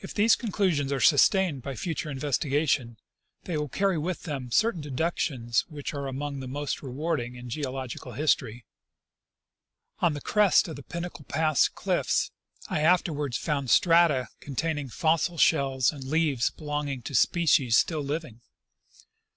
If these con clusions are sustained by future investigation, they will carry with them certain deductions which are among the most remark able in geological history. On the crest of the Pinnacle pass cliffs I afterwards found strata containing fossil shells and leaves belonging to species still living.